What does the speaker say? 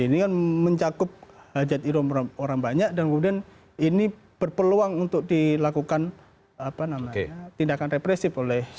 ini kan mencakup hajat ilmu orang banyak dan kemudian ini berpeluang untuk dilakukan tindakan represif oleh